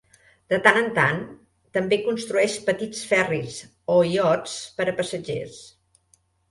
De tant en tant, també construeix petits ferris o iots per a passatgers.